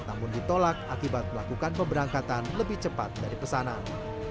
namun ditolak akibat melakukan pemberangkatan lebih cepat dari pesanan